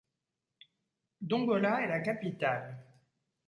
Dongola est la capitale.